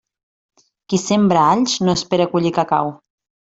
Qui sembra alls, no espere collir cacau.